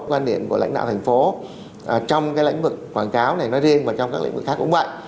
quan điểm của lãnh đạo thành phố trong cái lĩnh vực quảng cáo này nói riêng và trong các lĩnh vực khác cũng vậy